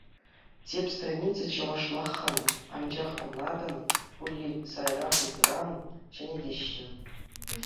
Тӗп страница чӑвашлах-ха, анчах ӑна та пулин сайра-хутра ҫӗнетеҫҫӗ.